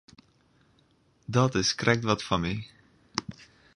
Dat is krekt wat foar my.